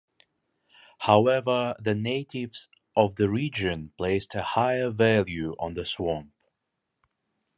However, the natives of the region placed a higher value on the swamp.